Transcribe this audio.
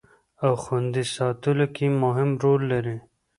او خوندي ساتلو کې مهم رول لري